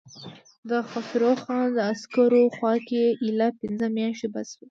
د خسرو خان د عسکرو خوراکه اېله پنځه مياشتې بس شوه.